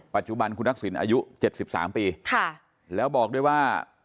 ปัจจุบันคุณทักษิณอายุ๗๓ปีแล้วบอกด้วยว่า